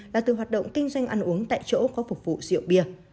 là từ hoạt động kinh doanh ăn uống tại chỗ có phục vụ rượu bia